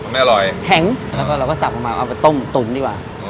มันไม่อร่อยแข็งแล้วก็เราก็สับลงมาเอาไปต้มตุ๋นดีกว่า